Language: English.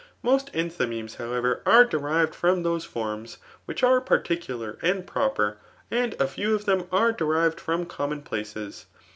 Most enthymemes, however, are derived from those forms which are particular and proper; and a few of them are derived from common [places.